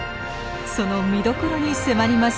その見どころに迫ります。